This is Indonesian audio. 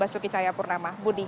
saya purnama budi